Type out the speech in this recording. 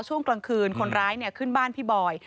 ช่วงกลางคืนคนร้ายขึ้นบ้านพี่บอย